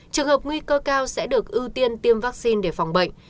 trường hợp nguy cơ cao sẽ được ưu tiên tiêm vaccine để phòng bệnh